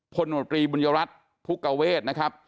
พลนตรีบุญรัติพุกเกาเวทนะครับ